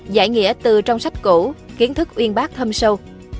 giải nghĩa từ trong sách cũ kiến thức uyên bác thâm sâu